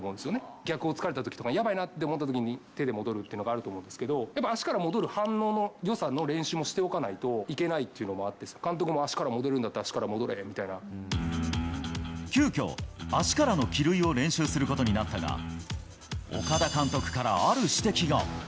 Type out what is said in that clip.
逆をつかれたときとか、やばいなって思ったときに手で戻るっていうのがあると思うんですけど、やっぱ足から戻る反応のよさの練習もしておかないといけないっていうのがあって、監督も足から戻るんだったら、足から戻れみたい急きょ、足からの帰塁を練習することになったが、岡田監督からある指摘が。